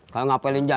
kalau ngapelin janda